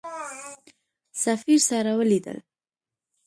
سفیر سره ولیدل.